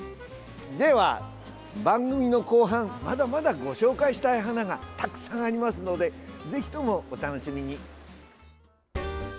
では、番組の後半まだまだ、ご紹介したい花がたくさんありますのでぜひとも、お楽しみに。